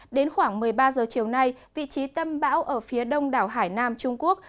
đến khoảng một mươi ba h chiều nay vị trí tâm bão ở phía đông đảo hải nam trung quốc